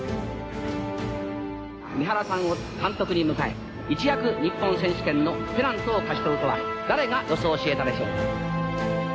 「三原さんを監督に迎え一躍日本選手権のペナントを勝ち取るとは誰が予想しえたでしょうか」。